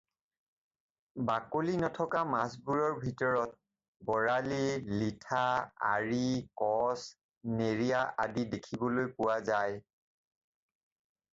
বাকলি নথকা ডাঙৰ মাছবোৰৰ ভিতৰত বৰালি, লিঠা, আৰি, কচ, নেৰীয়া আদি দেখিবলৈ পোৱা যায়।